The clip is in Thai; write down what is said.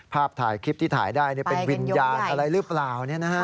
ถ่ายคลิปที่ถ่ายได้เป็นวิญญาณอะไรหรือเปล่า